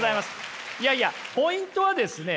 いやいやポイントはですね